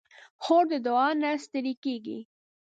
خور د دعاوو نه ستړې کېږي.